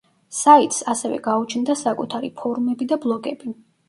საიტს ასევე გააჩნდა საკუთარი ფორუმები და ბლოგები.